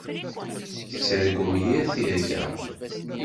Tettargum yir tirga.